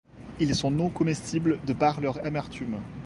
Ils sont non comestibles de par leur amertume.